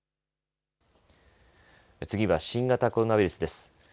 次は新型コロナウイルスです。